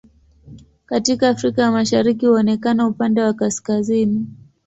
Katika Afrika ya Mashariki huonekana upande wa kaskazini.